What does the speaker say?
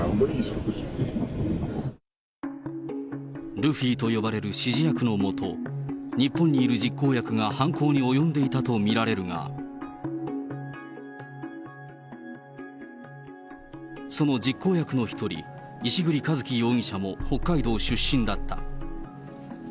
ルフィと呼ばれる指示役のもと、日本にいる実行役が犯行に及んでいたと見られるが、その実行役の１人、石栗一樹容疑者も北海道出身だった。